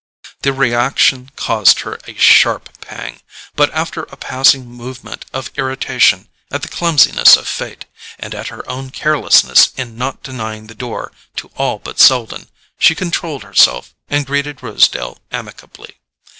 The reaction caused her a sharp pang, but after a passing movement of irritation at the clumsiness of fate, and at her own carelessness in not denying the door to all but Selden, she controlled herself and greeted Rosedale amicably.